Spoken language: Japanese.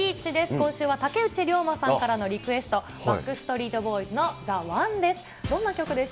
今週は竹内涼真さんからのリクエスト、バックストリートボーイズのＴｈｅＯｎｅです。